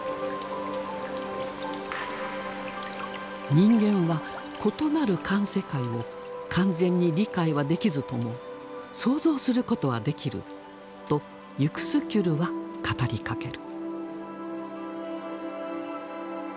「人間は異なる環世界を完全に理解はできずとも想像することはできる」とユクスキュルは語りかける。